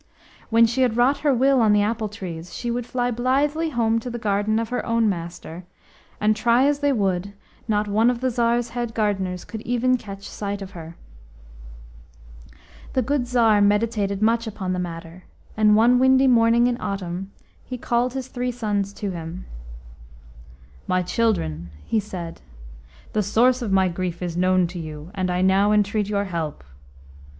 When she had wrought her will on the apple trees, she would fly blithely home to the garden of her own master, and, try as they would, not one of the Tsar's head gardeners could even catch sight of her. The good Tsar meditated much upon the matter, and one windy morning in autumn he called his three sons to him. "My children," he said, "the source of my grief is known to you, and now I entreat your help.